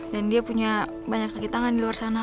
dan dia punya banyak kekitangan di luar sana